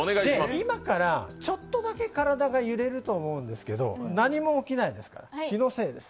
今からちょっとだけ体が揺れると思うんですけど、何も起きないですから気のせいです。